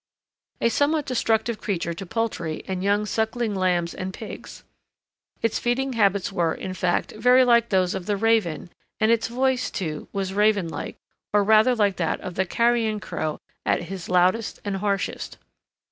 A somewhat destructive creature to poultry and young sucking lambs and pigs. Its feeding habits were, in fact, very like those of the raven, and its voice, too, was raven like, or rather like that of the carrion crow at his loudest and harshest.